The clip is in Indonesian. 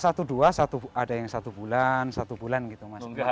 ada lah satu dua ada yang satu bulan satu bulan gitu